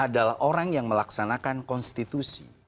adalah orang yang melaksanakan konstitusi